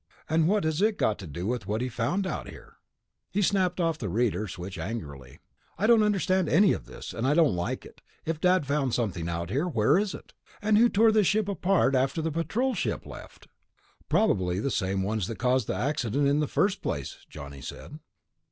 "And what has it got to do with what he found out here?" He snapped off the reader switch angrily. "I don't understand any of this, and I don't like it. If Dad found something out here, where is it? And who tore this ship apart after the Patrol ship left?" "Probably the same ones that caused the 'accident' in the first place," Johnny said.